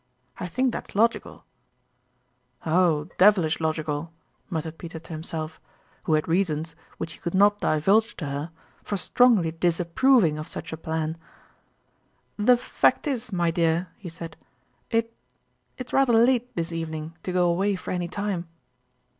I think that's logical ?"" Oh, devilish logical !" muttered Peter to himself, who had reasons, which he could not divulge to her, for strongly disapproving of such a plan. " The fact is, my dear," he said, " it it's rather late this evening to go away for any time